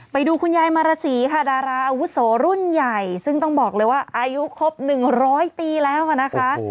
ไปดูคุณยายมารสีค่ะดาราอาวุโสรุ่นใหญ่ซึ่งต้องบอกเลยว่าอายุครบ๑๐๐ปีแล้วนะคะ